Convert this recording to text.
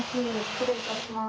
失礼いたします。